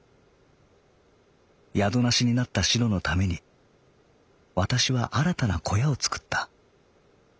「宿なしになったしろのためにわたしは新たな小屋を作った。